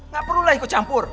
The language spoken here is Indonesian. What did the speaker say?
gak perlu lah ikut campur